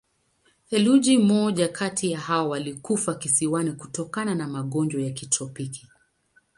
Theluji moja kati hao walikufa kisiwani kutokana na magonjwa ya kitropiki.